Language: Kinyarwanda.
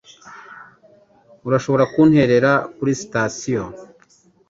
Urashobora kunterera kuri sitasiyo?